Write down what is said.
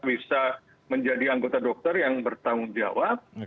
bisa menjadi anggota dokter yang bertanggung jawab